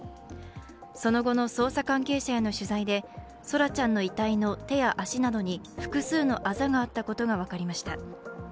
その後の捜査関係者への取材で空来ちゃんの遺体の手や足などに複数のあざがあったことが分かりました。